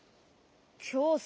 きょうさ。